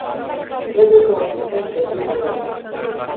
Trebuie să mă supun și să fiu prezentă.